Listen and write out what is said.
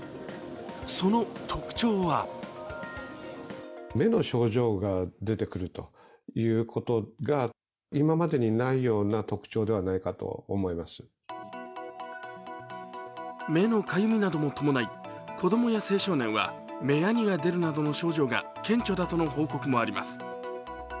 その特徴は目のかゆみなども伴い子供や青少年は目やにが出るなどの症状が顕著だとの報告もあります。